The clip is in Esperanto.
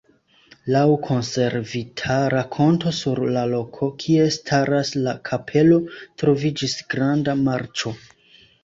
Laŭ konservita rakonto sur la loko, kie staras la kapelo, troviĝis granda marĉo.